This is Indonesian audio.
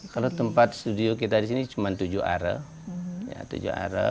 kalau tempat studio kita di sini cuma tujuh are